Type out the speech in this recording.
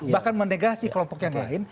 bahkan mendegasi kelompok yang lain